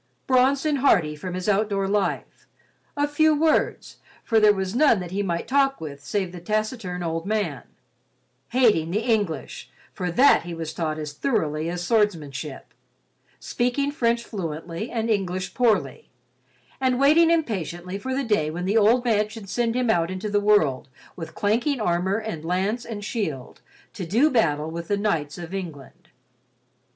Bronzed and hardy from his outdoor life; of few words, for there was none that he might talk with save the taciturn old man; hating the English, for that he was taught as thoroughly as swordsmanship; speaking French fluently and English poorly—and waiting impatiently for the day when the old man should send him out into the world with clanking armor and lance and shield to do battle with the knights of England.